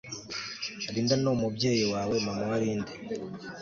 Linda numubyeyi wawe mama wa Linda